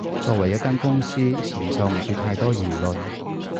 作為一間公司，承受唔住太多輿論